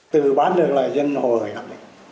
từ bán được là dân hồi gặp lại